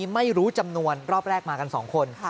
ไม่รู้จำนวนรอบแรกมากัน๒คน